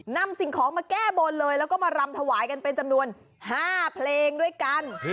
สิ่งของมาแก้บนเลยแล้วก็มารำถวายกันเป็นจำนวน๕เพลงด้วยกัน